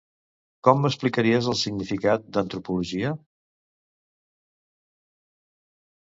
Com m'explicaries el significat d'antropologia?